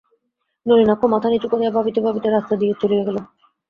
নলিনাক্ষ মাথা নিচু করিয়া ভাবিতে ভাবিতে রাস্তা দিয়া চলিয়া গেল।